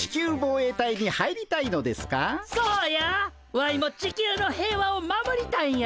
ワイも地球の平和を守りたいんや！